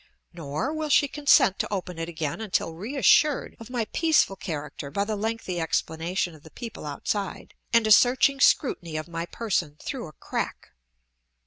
Nor will she consent to open it again until reassured of my peaceful character by the lengthy explanation of the people outside, and a searching scrutiny of my person through a crack.